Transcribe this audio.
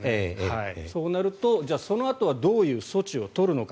そうなると、そのあとはどういう措置を取るのか。